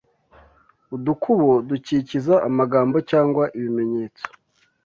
Udukubo dukikiza amagambo cyangwa ibimenyetso